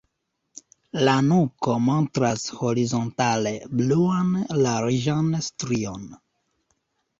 La nuko montras horizontale bluan larĝan strion.